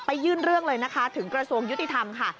ยื่นเรื่องเลยนะคะถึงกระทรวงยุติธรรมค่ะ